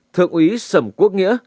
thượng úy sẩm quốc nghĩa